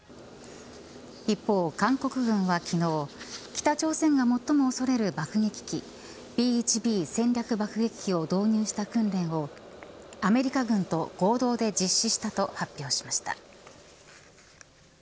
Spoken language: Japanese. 一方、韓国軍は昨日北朝鮮が最も恐れる爆撃機Ｂ１Ｂ戦略爆撃機を導入した訓練をアメリカ軍と合同で実施したと発表しました。